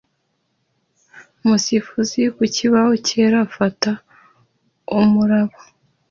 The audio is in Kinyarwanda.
Umusifuzi ku kibaho cyera afata umuraba